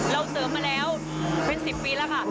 เราเสริมมาแล้วเป็น๑๐ปีแล้วค่ะ